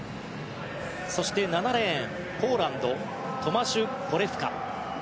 そして７レーン、ポーランドトマシュ・ポレフカ。